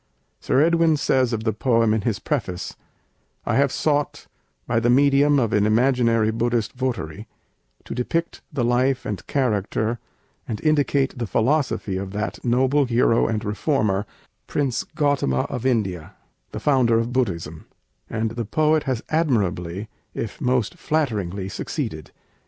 Sir Edwin says of the poem in his preface, "I have sought, by the medium of an imaginary Buddhist votary, to depict the life and character and indicate the philosophy of that noble hero and reformer, Prince Gautama of India, the founder of Buddhism;" and the poet has admirably, if most flatteringly, succeeded.